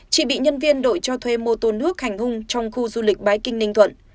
chị bị nhân viên đội cho thuê mô tô nước hành hung trong khu du lịch bái kinh ninh thuận